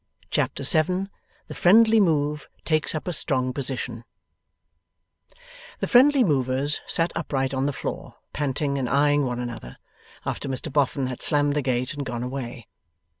Chapter 7 THE FRIENDLY MOVE TAKES UP A STRONG POSITION The friendly movers sat upright on the floor, panting and eyeing one another, after Mr Boffin had slammed the gate and gone away.